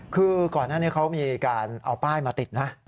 คือก่อนหน้านี้เขามีการเอาป้ายมาติดนะ